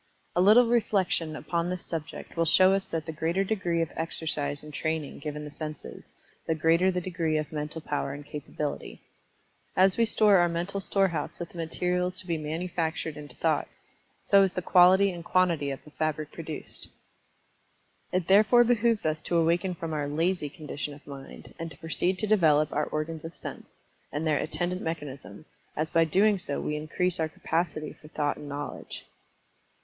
A little reflection upon this subject will show us that the greater degree of exercise and training given the senses, the greater the degree of mental power and capability. As we store our mental storehouse with the materials to be manufactured into thought, so is the quality and quantity of the fabric produced. It therefore behooves us to awaken from our "lazy" condition of mind, and to proceed to develop our organs of sense, and their attendant mechanism, as by doing so we increase our capacity for thought and knowledge.